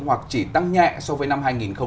hoặc chỉ tăng nhẹ so với năm hai nghìn hai mươi ba